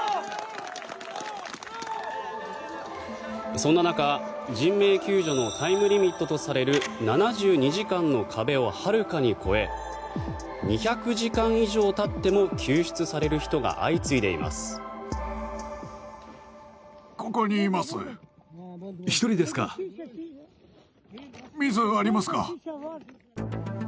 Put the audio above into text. そんな中、人命救助のタイムリミットとされる７２時間の壁をはるかに超え２００時間以上たっても救出される人が相次いでいます。